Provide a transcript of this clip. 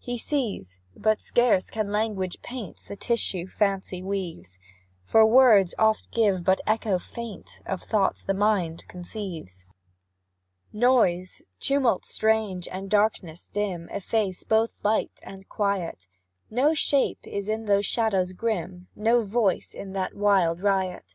He sees but scarce can language paint The tissue fancy weaves; For words oft give but echo faint Of thoughts the mind conceives. Noise, tumult strange, and darkness dim, Efface both light and quiet; No shape is in those shadows grim, No voice in that wild riot.